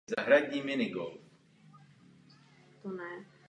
Vítám rovněž ustanovení o pozitivním zveřejňování jmen.